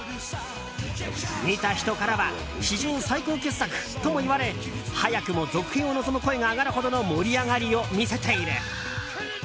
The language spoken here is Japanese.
見た人からは史上最高傑作ともいわれ早くも続編を望む声が上がるほどの盛り上がりを見せている。